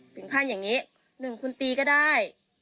ถึงขั้นอย่างนี้หนึ่งคุณตีก็ได้